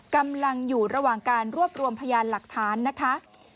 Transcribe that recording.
กำลังอยู่ระหว่างการรวบรวมพยานหลักฐานนะคะ